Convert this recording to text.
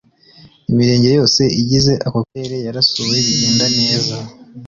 Imirenge yose igize ako Karere yarasuwe bigenda neza